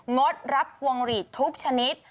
งดรับพวงหลีดทุกชนิด